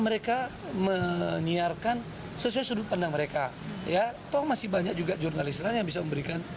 mereka menyiarkan sosial sudut pendang mereka ya to masih banyak juga jurnalisternya bisa memberikan